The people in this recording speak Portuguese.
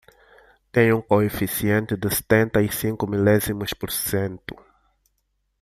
Tem um coeficiente de setenta e cinco milésimos por cento.